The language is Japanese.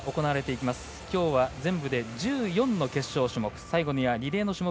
きょうは全部で１４の決勝種目。